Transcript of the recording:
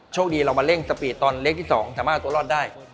โชคดีเรามาเร่งสปีดตอนเล็กที่๒สามารถเอาตัวรอดได้